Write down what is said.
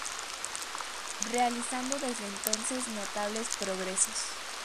Realizando desde entonces notables progresos.